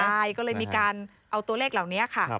ใช่ก็เลยมีการเอาตัวเลขเหล่านี้ค่ะ